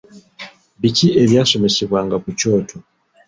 Biki ebyasomesebwanga ku kyoto?